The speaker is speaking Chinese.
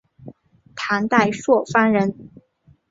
唐代朔方人。